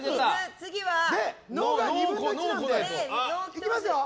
いきますよ！